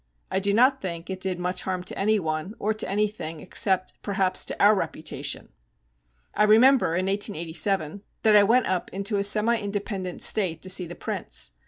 I do not think it did much harm to anyone, or to anything, except, perhaps, to our reputation. I remember in 1887 that I went up into a semi independent state to see the prince.